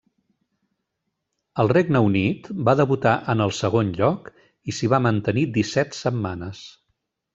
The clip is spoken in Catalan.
Al Regne Unit, va debutar en el segon lloc i s'hi va mantenir disset setmanes.